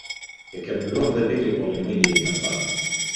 یەکەم مرۆڤ بە پێێ لێکۆڵێنەوەی دێرین ناسان